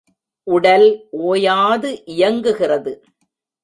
உடல் ஓயாது இயங்குகிறது.